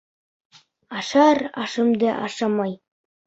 ... ашар ашымды ашамай...